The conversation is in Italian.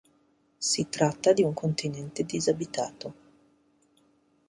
Si tratta di un continente disabitato.